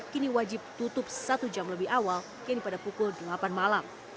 kini wajib tutup satu jam lebih awal kini pada pukul delapan malam